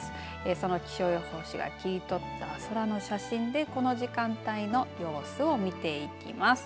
その気象予報士が切り取った空の写真でこの時間帯の様子を見ていきます。